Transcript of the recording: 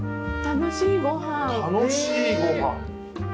楽しいごはん。